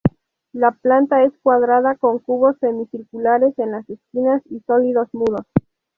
La planta es cuadrada con cubos semicirculares en las esquinas y sólidos muros.